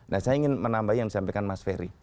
nah saya ingin menambah yang disampaikan mas ferry